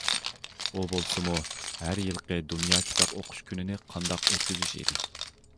ئۇ بولسىمۇ ھەر يىلقى دۇنيا كىتاب ئوقۇش كۈنىنى قانداق ئۆتكۈزۈش ئىدى.